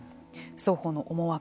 双方の思惑